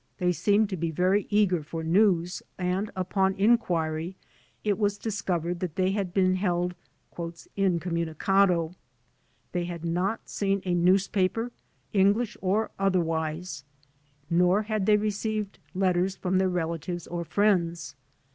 They seemed to be very eager for news and upon inquiry it was discovered that they had been held "iji 80 THE DEPORTATION CASES r • i'!r. '■ They had not seen a newspaper, English .;• uJierWiSe, nor had they received letters from their relatives or friends.